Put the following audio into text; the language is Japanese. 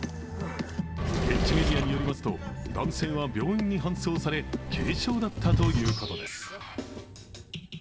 現地メディアによりますと男性は病院に搬送され軽傷だったということです。